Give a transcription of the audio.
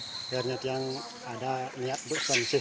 akhirnya ada niat buksan